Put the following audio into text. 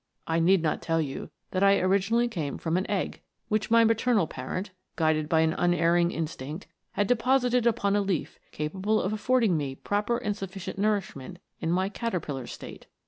I need not tell you that I originally came from an egg, which my maternal parent, guided by an unerring instinct, had deposited upon a leaf capable of affording me proper and sufficient nourishment in my caterpillar state.